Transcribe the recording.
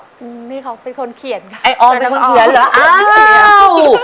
อืมนี่เขาเป็นคนเขียนค่ะไอ้ออมเป็นคนเขียนเหรออ้าว